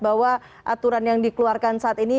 bahwa aturan yang dikeluarkan saat ini